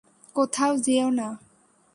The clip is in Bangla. কোথাও যেও না।